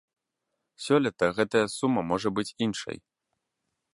Сёлета гэтая сума можа быць іншай.